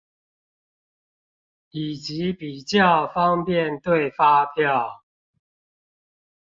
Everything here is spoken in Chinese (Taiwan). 以及比較方便對發票